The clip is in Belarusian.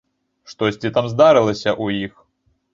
Штосьці там здарылася ў іх.